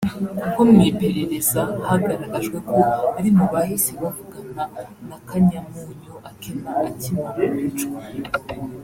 kuko mu iperereza hagaragajwe ko ari mu bahise bavugana na Kanyamunyu Akena akimara kwicwa